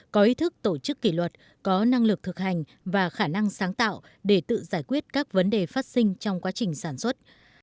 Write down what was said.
có ý thức tổ chức kỷ luật có năng lực thực hành và khả năng sáng tạo để tự giải quyết các vấn đề phát sinh trong quá trình sản xuất